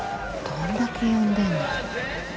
どんだけ呼んでんの。